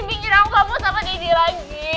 bikin rambut kamu sama daddy lagi